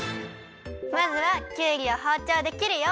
まずはきゅうりをほうちょうで切るよ。